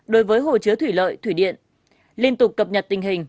đối với hồ chứa thủy lợi thủy điện liên tục cập nhật tình hình